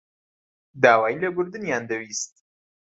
داوای لێبوردنیان دەویست.